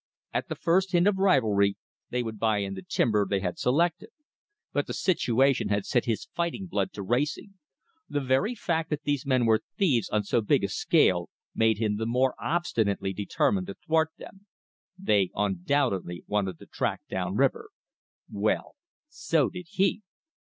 At the first hint of rivalry, they would buy in the timber they had selected. But the situation had set his fighting blood to racing. The very fact that these men were thieves on so big a scale made him the more obstinately determined to thwart them. They undoubtedly wanted the tract down river. Well, so did he!